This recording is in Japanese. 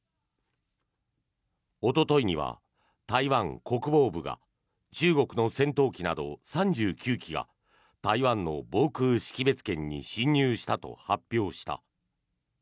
おとといには台湾国防部が中国の戦闘機など３９機が台湾の防空識別圏に進入したと発表した。